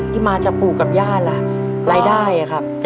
ที่มาจากปู่กับย่าล่ะรายได้ครับ